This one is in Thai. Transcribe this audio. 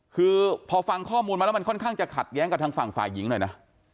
คือพอฟังข้อมูลมาแล้วมันค่อนข้างจะขัดแย้งกับทางฝั่งฝ่ายหญิงหน่อยนะ